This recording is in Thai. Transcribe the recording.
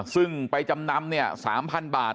ซึ่งไปจำนำเนี่ย๓๐๐๐บาท